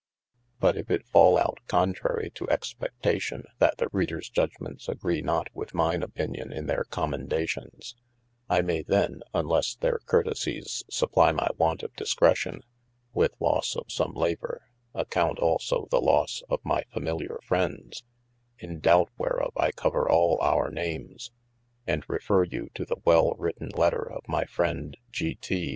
But if it fal out contrary to expectatio that the readers judgements agree not with myne opinion in their commendacions, I may then (unlesse their curtesies supplie my want of discretion) with losse of some labour, accompt also the losse of my familier friendes, in doubt whereof, I cover all our names, and referre you to the well written letter of my friende G. T.